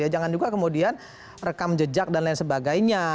jangan juga kemudian rekam jejak dan lain sebagainya